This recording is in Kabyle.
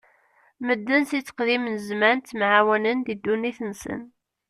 Medden si tteqdim n zzman ttemɛawanen di ddunit-nsen.